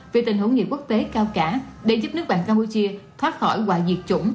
vì tình huống nghiệp quốc tế cao cả để giúp nước bạn campuchia thoát khỏi quả diệt chủng